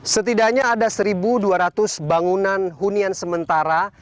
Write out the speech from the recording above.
setidaknya ada satu dua ratus bangunan hunian sementara